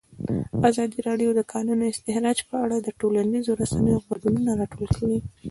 ازادي راډیو د د کانونو استخراج په اړه د ټولنیزو رسنیو غبرګونونه راټول کړي.